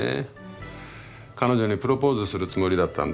彼女にプロポーズするつもりだったんだって。